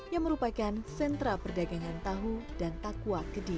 yang merupakan sentra perdagangan tahu dan takwa kedi